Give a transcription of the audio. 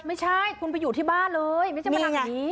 ไม่ใช่คุณไปอยู่ที่บ้านเลยไม่ใช่มาทำอย่างนี้